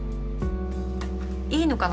いいのかな？